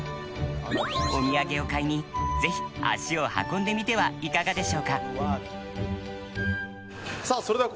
お土産を買いにぜひ、足を運んでみてはいかがでしょうか。